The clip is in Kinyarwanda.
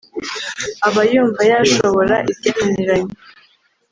aba yumva yashobora ibyananiranye